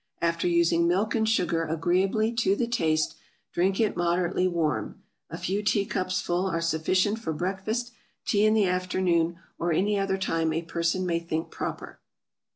After using milk and sugar agreeably to the taste, drink it moderately warm. A few tea cups full are sufficient for breakfast, tea in the afternoon, or any other time a person may think proper.